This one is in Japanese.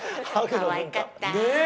かわいかった。